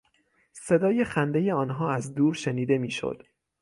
صدای خندهی آنها از دور شنیده میشد.